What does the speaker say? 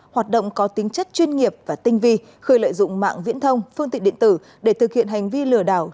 hoạt động có tính chất chuyên nghiệp và tinh vi khơi lợi dụng mạng viễn thông phương tiện điện tử để thực hiện hành vi lừa đảo